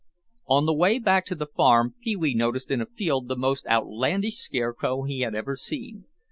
On the way back to the farm, Pee wee noticed in a field the most outlandish scarecrow he had ever seen.